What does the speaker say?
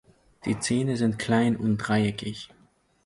Die Zähne sind klein und dreieckig.